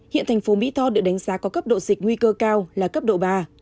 hiện thành phố mỹ tho được đánh giá có cấp độ dịch nguy cơ cao là cấp độ ba